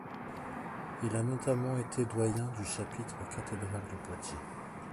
Il a notamment été doyen du chapitre cathédral de Poitiers.